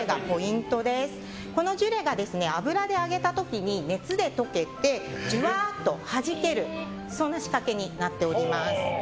このジュレが油で揚げた時に熱で溶けてじゅわっとはじける仕掛けになっております。